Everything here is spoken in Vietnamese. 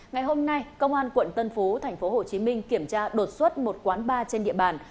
ngày hôm nay công an tp hcm kiểm tra đột xuất một quán bar trên địa bàn